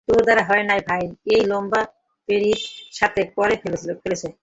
তোর দ্বারা হয় নাই তাই এই লম্বা পেত্নির সাথে করে ফেলেছে।